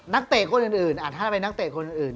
เตะคนอื่นถ้าเป็นนักเตะคนอื่น